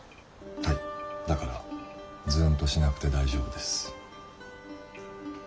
はいだからズンとしなくて大丈夫です。